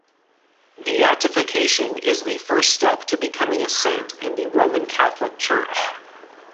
Beatification is the first step to becoming a saint in the Roman Catholic Church.